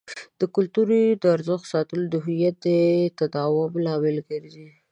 د کلتور د ارزښتونو ساتل د هویت د تداوم لامل ګرځي.